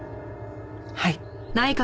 はい。